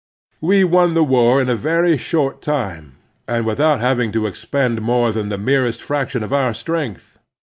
We won the war in a very short time, and with out having to expend more than the merest frac tion of our strength.